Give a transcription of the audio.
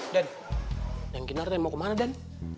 den neng kinar mau kemana den